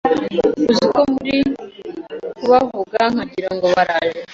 Uziko muri kubavuga nkagirango baraje